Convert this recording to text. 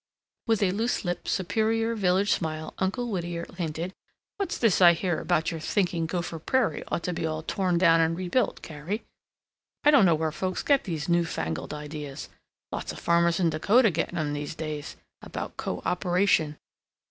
With a loose lipped, superior, village smile Uncle Whittier hinted, "What's this I hear about your thinking Gopher Prairie ought to be all tore down and rebuilt, Carrie? I don't know where folks get these new fangled ideas. Lots of farmers in Dakota getting 'em these days. About co operation.